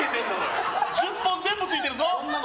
１０本全部ついてるぞ！